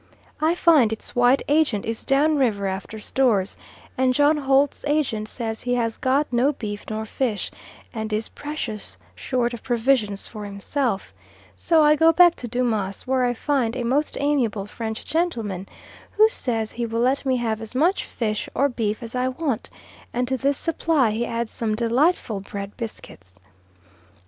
I find its white Agent is down river after stores, and John Holt's Agent says he has got no beef nor fish, and is precious short of provisions for himself; so I go back to Dumas', where I find a most amiable French gentleman, who says he will let me have as much fish or beef as I want, and to this supply he adds some delightful bread biscuits.